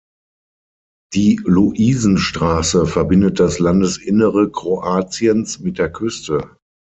Die Luisenstraße verbindet das Landesinnere Kroatiens mit der Küste.